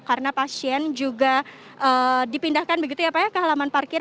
karena pasien juga dipindahkan begitu ya pak ya ke halaman parkir